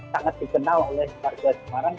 sangat dikenal oleh warga semarang